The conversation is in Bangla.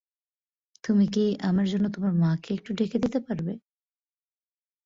তুমি কি আমার জন্য তোমার মাকে একটু ডেকে দিতে পারবে?